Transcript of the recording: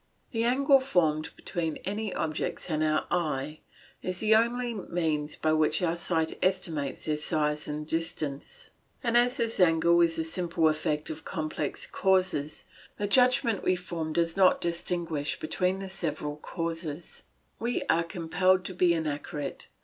The angle formed between any objects and our eye is the only means by which our sight estimates their size and distance, and as this angle is the simple effect of complex causes, the judgment we form does not distinguish between the several causes; we are compelled to be inaccurate.